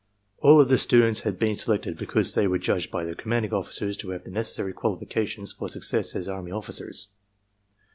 All of the students had been selected because they were judged by their commanding officers to have the necessary qualifications for success as army ofiicers.